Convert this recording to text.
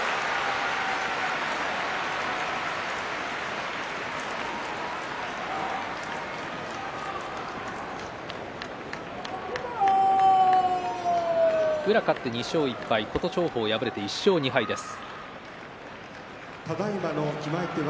拍手宇良、勝って２勝１敗琴勝峰、敗れて１勝２敗です。